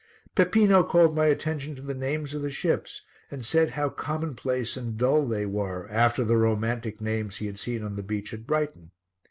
Peppino called my attention to the names of the ships and said how commonplace and dull they were after the romantic names he had seen on the beach at Brighton.